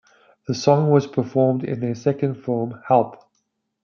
The song was performed in their second film, Help!